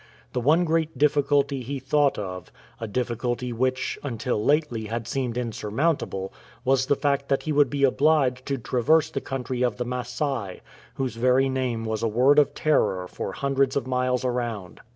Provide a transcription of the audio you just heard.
The one great difficulty he thought of, a difficulty which until lately had seemed insurmountable, was the fact that he would be obliged to traverse the country of the Masai, whose very name was a word of terror for hundreds of miles around.